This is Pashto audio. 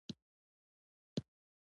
تواب له وېرې خبرې نه شوې کولای.